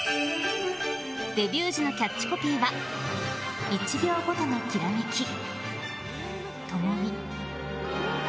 デビュー時のキャッチコピーは「一秒ごとのきらめき知美」。